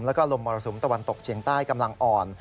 แล้วก็ลมมรสุมตะวันตกเฉียงใต้กำลังอ่อน